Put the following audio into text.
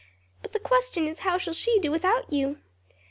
But the question is how shall she do without you?